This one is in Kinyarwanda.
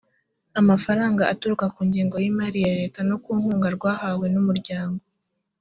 amafaranga aturuka ku ngengo y imari ya leta no ku nkunga rwahawe n umuryango